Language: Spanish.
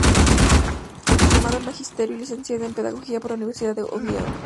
Es diplomada en Magisterio y Licenciada en Pedagogía por la Universidad de Oviedo.